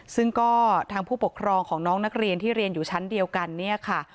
ซึ่งก็ทางผู้ปกครองของน้องนักเรียนที่เรียนอยู่ชั้นเดียวกันเนี่ยค่ะ